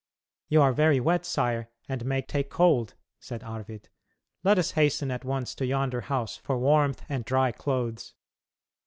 "You are very wet, sire, and may take cold," said Arvid; "let us hasten at once to yonder house for warmth and dry clothes."